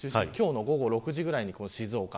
今日の午後６時ぐらいに静岡